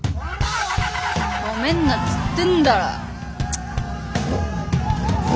もめんなっつってんだろ。